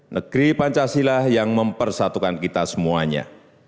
negeri pancasila yang mempersatukan kita semuanya